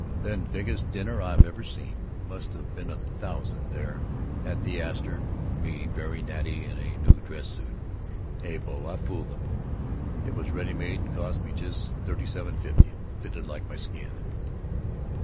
Then biggest dinner I've ever seen, must have been a thousand there, at the Astor, me very natty in a new dress suit (hey bo, I fooled them, it was ready made and cost me just $37.50 and fitted like my skin.)